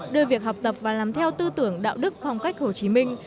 đưa việc học tập và làm theo tư tưởng đạo đức phong cách hồ chí minh